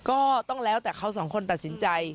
ก็แล้วแต่เขาสองคนตัดสินใจ